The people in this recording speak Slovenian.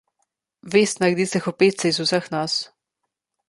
Vest naredi strahopetce iz vseh nas.